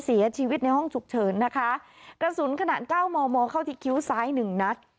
เสียชีวิตในห้องฉุกเฉินนะคะกระสุนขนาดเก้ามอมอเข้าที่คิ้วซ้ายหนึ่งนัด